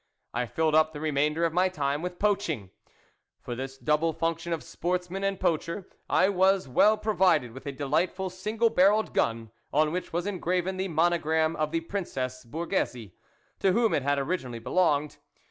I filled up the remainder of my time with poaching. For this double function of sportsman and poacher I was well provided with a delightful single barrelled gun, on which was engraven the monogram of the Prin cess Borghese, to whom it had originally belonged.